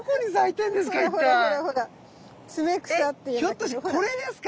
ひょっとしてこれですか？